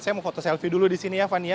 saya mau foto selfie dulu di sini ya fani ya